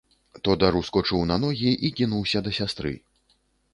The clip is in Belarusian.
Тодар ускочыў на ногі і кінуўся да сястры.